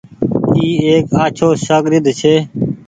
اي ايڪ آڇو ساگرد ڇي۔